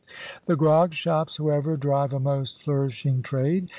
The grog shops, however, drive a most flourishing trade.